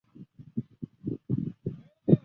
突尼斯原为奥斯曼帝国的一个省。